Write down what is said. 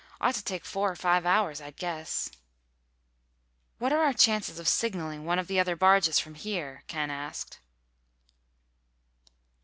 Ought to take four or five hours, I'd guess." "What are our chances of signaling one of the other barges from here?" Ken asked.